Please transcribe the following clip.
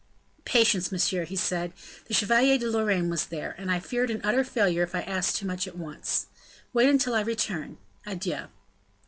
"Patience, monsieur," he said; "the Chevalier de Lorraine was there, and I feared an utter failure if I asked too much at once. Wait until I return. Adieu."